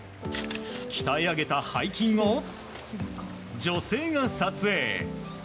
鍛え上げた背筋を女性が撮影。